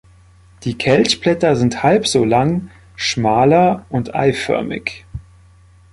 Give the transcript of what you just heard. Die Kelchblätter sind halb so lang, schmaler und eiförmig.